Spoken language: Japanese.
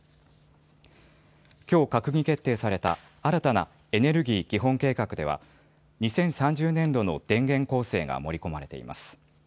きょう閣議決定された新たなエネルギー基本計画では２０３０年度の電源構成が盛り込まれています。